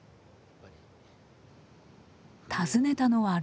訪ねたのは６月。